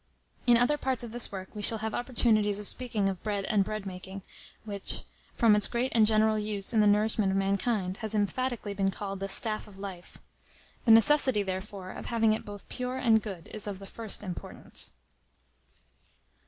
In other parts of this work, we shall have opportunities of speaking of bread and bread making, which, from its great and general use in the nourishment of mankind, has emphatically been called the "staff of life." The necessity, therefore, of having it both pure and good is of the first importance.